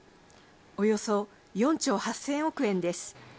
およそ４兆８０００億円です。